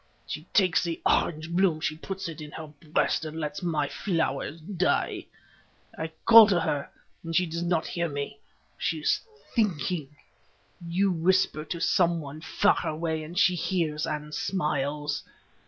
—she takes the orange bloom, she puts it in her breast, and lets my flowers die. I call to her—she does not hear me—she is thinking. You whisper to some one far away, and she hears and smiles.